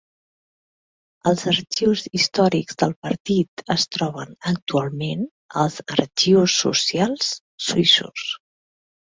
Els arxius històrics del partit es troben actualment als Arxius socials suïssos.